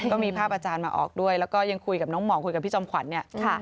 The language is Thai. ก็มีภาพอาจารย์มาออกด้วยแล้วก็ยังคุยกับน้องหมองคุยกับพี่จอมขวัญเนี่ย